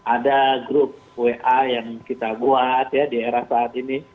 ada grup wa yang kita buat ya di era saat ini